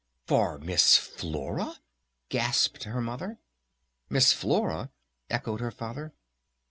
"For Miss Flora?" gasped her Mother. "Miss Flora?" echoed her Father.